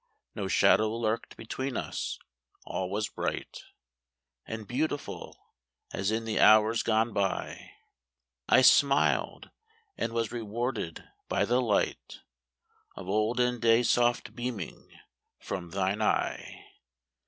No shadow lurked between us; all was bright And beautiful as in the hours gone by, I smiled, and was rewarded by the light Of olden days soft beaming from thine eye.